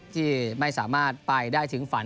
ที่ไม่สามารถไปได้ถึงฝัน